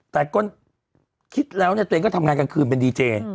แต่ก็คิดแล้วเนี่ยตัวเองก็ทำงานกลางคืนเป็นดีเจ